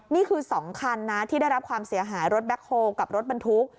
นี่คือ๒คันนะที่ได้รับความเสียหายรถแบ็คโฮลกับรถบรรทุก